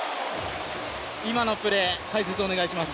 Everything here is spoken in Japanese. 今のプレー、解説をお願いします。